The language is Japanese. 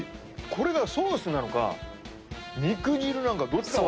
これがソースなのか肉汁なのかどっちか分かんない。